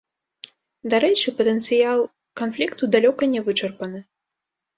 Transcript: Дарэчы, патэнцыял канфлікту далёка не вычарпаны.